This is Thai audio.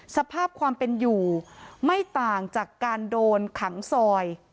สภาพความเป็นอยู่ไม่ต่างจากการโดนขังซอย